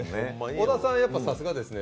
小田さん、さすがですね。